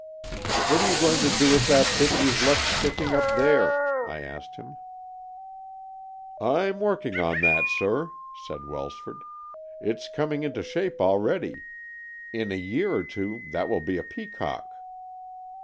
"What are you going to do with that bit you Ve left sticking up there ?" I asked him. " Fm working on that, sir," said Welsford. " It's coming into shape already. In a year or two that will be a peacock."